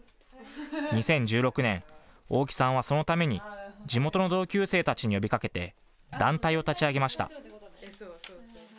２０１６年、大木さんはそのために地元の同級生たちに呼びかけて団体を立ち上げました。